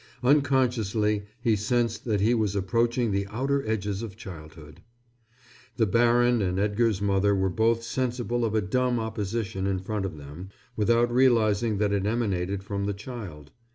Unconsciously he sensed that he was approaching the outer edges of childhood. The baron and Edgar's mother were both sensible of a dumb opposition in front of them without realizing that it emanated from the child.